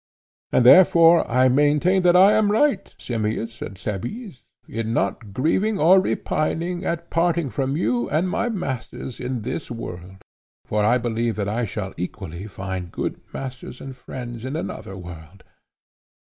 And therefore I maintain that I am right, Simmias and Cebes, in not grieving or repining at parting from you and my masters in this world, for I believe that I shall equally find good masters and friends in another world.